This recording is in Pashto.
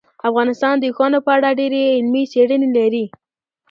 افغانستان د اوښانو په اړه ډېرې علمي څېړنې لري.